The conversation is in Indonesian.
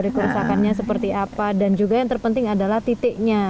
dari kerusakannya seperti apa dan juga yang terpenting adalah titiknya